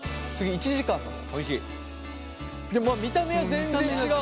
でも見た目は全然違うよ。